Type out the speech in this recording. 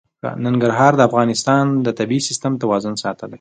ننګرهار د افغانستان د طبعي سیسټم توازن ساتي.